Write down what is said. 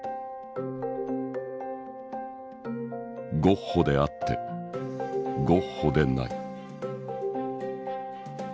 ゴッホであってゴッホでない。